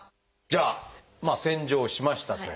じゃあ洗浄しましたと。